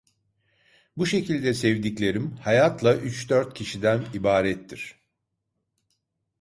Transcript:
Bu şekilde sevdiklerim hayatla üç dört kişiden ibarettir.